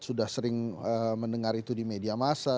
sudah sering mendengar itu di media masa